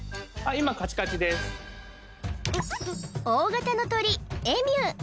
今大型の鳥エミュー